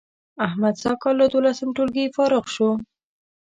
احمد سږ کال له دولسم ټولگي فارغ شو